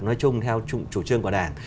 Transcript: nói chung theo chủ trương của đảng